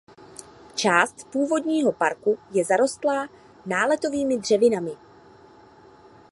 Část původního parku za zarostlá náletovými dřevinami.